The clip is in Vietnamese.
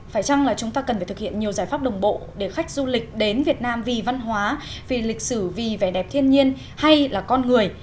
phải chăng là chúng ta cần phải thực hiện nhiều giải pháp đồng bộ để khách du lịch đến việt nam vì văn hóa vì lịch sử vì vẻ đẹp thiên nhiên hay là con người